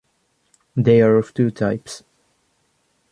They are of two types.